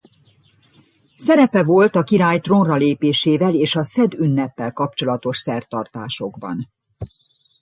Szerepe volt a király trónra lépésével és a szed-ünneppel kapcsolatos szertartásokban.